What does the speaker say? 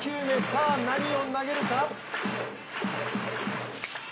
さあ、何を投げるか。